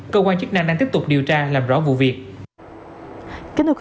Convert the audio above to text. cơ quan chức năng đang tiếp tục điều tra làm rõ vụ việc